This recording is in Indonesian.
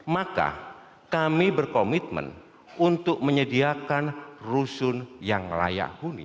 maka kami berkomitmen untuk menyediakan rusun yang layak huni